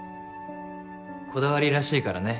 こだわりらしいからね